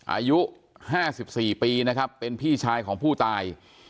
อายุ๕๔ปีนะครับเป็นพี่ชายของผู้ตาย